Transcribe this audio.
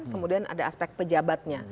kemudian ada aspek pejabatnya